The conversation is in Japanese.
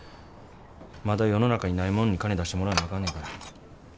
まだ世の中にないもんに金出してもらわなあかんねんから。